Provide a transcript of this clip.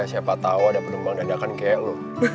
siapa tahu ada penumpang dadakan kayak lu